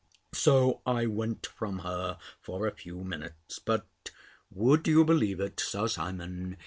So I went from her, for a few minutes. But, would you believe it, Sir Simon?